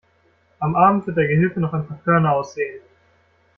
Am Abend wird der Gehilfe noch ein paar Körner aussähen.